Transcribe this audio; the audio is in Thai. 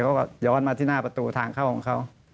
เขาก็ย้อนมาที่หน้าประตูทางเข้าของเขา